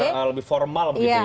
yang lebih formal begitu ya